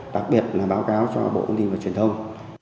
đặc biệt là báo cáo cho bộ công ty và truyền thông